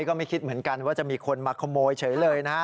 ก็ไม่คิดเหมือนกันว่าจะมีคนมาขโมยเฉยเลยนะฮะ